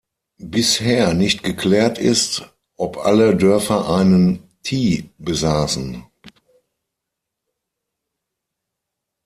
Bisher nicht geklärt ist, ob alle Dörfer einen Tie besaßen.